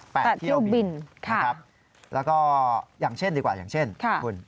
เที่ยวบินค่ะนะครับแล้วก็อย่างเช่นดีกว่าอย่างเช่นค่ะคุณ